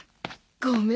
ごめん。